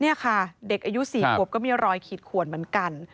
นี่ค่ะเด็กอายุ๔ขวบก็มีรอยขีดขวนเหมือนกัน